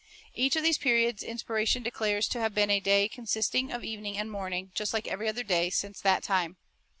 Each of these periods Inspiration declares to have been a day consisting of evening and morning, like every other day since that time.